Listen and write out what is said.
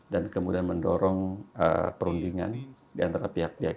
dan kemudian mendorong perundingan di antara pihak pihak